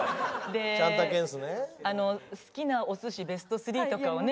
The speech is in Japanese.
好きなお寿司ベスト３とかをね